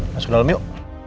masuk ke dalam yuk